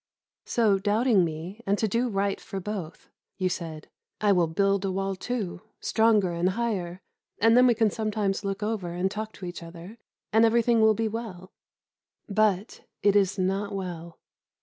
So, doubting me, and to do right for both, you said, "I will build a wall too, stronger and higher, and then we can sometimes look over and talk to each other, and everything will be well." But it is not well.